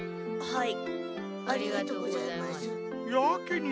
はい。